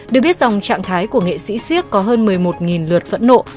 được biết dòng trạng thái của nghệ sĩ siếc có hơn một mươi một lượt phẫn nộ